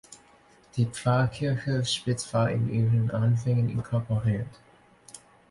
Die Pfarrkirche Spitz war in ihren Anfängen inkorporiert.